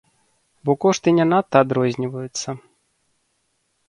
Бо кошты не надта адрозніваюцца.